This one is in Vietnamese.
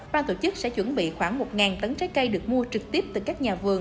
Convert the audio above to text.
ban tổ chức sẽ chuẩn bị khoảng một tấn trái cây được mua trực tiếp từ các nhà vườn